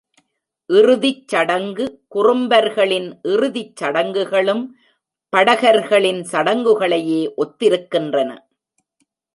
இறுதிச் சடங்கு குறும்பர்களின் இறுதிச் சடங்குகளும் படகர்களின் சடங்குகளையே ஒத்திருக்கின்றன.